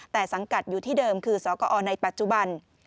แต่สังกัดอยู่ที่เดิมคือสกอในปัจจุบัน